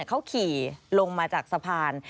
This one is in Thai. เขาขี่ลงมาจากสะพาน